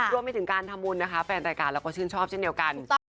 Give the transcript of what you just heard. รวมไปถึงการทำบุญนะคะแฟนรายการเราก็ชื่นชอบเช่นเดียวกัน